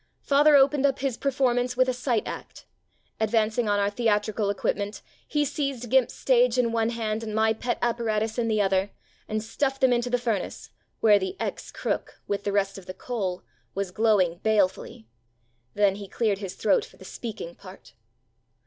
Father opened up his performance with a "sight act." Advancing on our theatrical equipment, he seized "Gimp's" stage in one hand and my pet apparatus in the other, and stuffed them into the furnace, where the "ex Crook," with the rest of the coal, was glowing balefully. Then he cleared his throat for the "speaking part."